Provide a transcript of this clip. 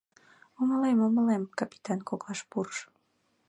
— Умылем, умылем, — капитан коклаш пурыш.